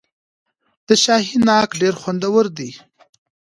د شاهي ناک ډیر خوندور وي.